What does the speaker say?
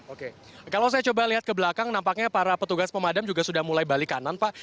oke kalau saya coba lihat ke belakang nampaknya para petugas pemadam juga sudah mulai balik kanan pak